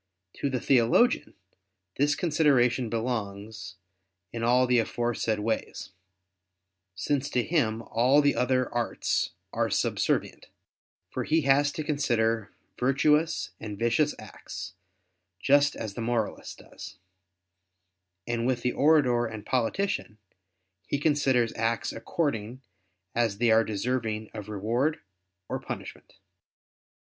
To the theologian this consideration belongs, in all the aforesaid ways: since to him all the other arts are subservient: for he has to consider virtuous and vicious acts, just as the moralist does; and with the orator and politician he considers acts according as they are deserving of reward or punishment.